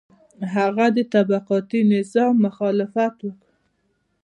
هغه د طبقاتي نظام مخالفت وکړ.